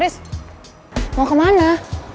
ris mau kemana